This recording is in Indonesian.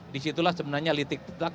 disitulah sebenarnya litik litak